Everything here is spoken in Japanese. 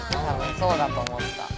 そうだと思った。